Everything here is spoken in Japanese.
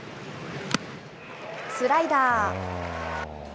スライダー。